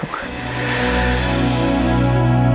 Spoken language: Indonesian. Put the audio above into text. ibu ibu cperlu asyik hilang diri